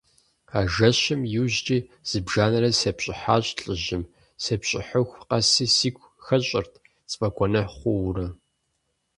А жэщым и ужькӀи зыбжанэрэ сепщӀыхьащ лӀыжьым, сепщӀыхьыху къэси сигу хэщӀырт, сфӀэгуэныхь хъуурэ.